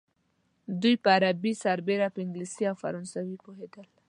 دوی په عربي سربېره په انګلیسي او فرانسوي پوهېدل.